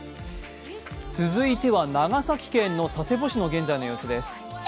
続いては長崎県の佐世保市の現在の様子です。